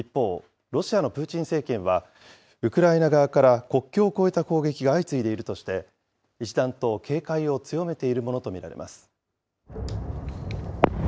一方、ロシアのプーチン政権は、ウクライナ側から国境を越えた攻撃が相次いでいるとして、一段と警戒を強めているものと見られます。